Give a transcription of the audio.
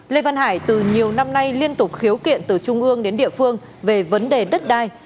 lê văn hải từ nhiều năm nay liên tục khiếu kiện từ trung ương đến địa phương về vấn đề đất đai